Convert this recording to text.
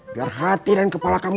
biar hati dan kepala kamu